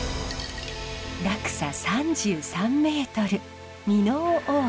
落差３３メートル。